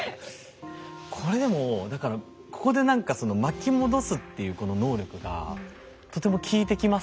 これでもだからここで何かその「巻き戻す」っていうこの能力がとても効いてきますね。